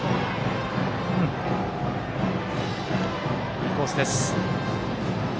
いいコースです。